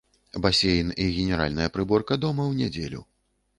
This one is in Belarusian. Басейн і генеральная прыборка дома ў нядзелю.